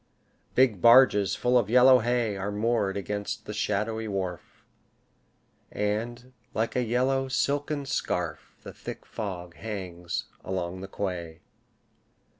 Big barges full of yellow hay Are moored against the shadowy wharf, And, like a yellow silken scarf, The thick fog hangs along the quay.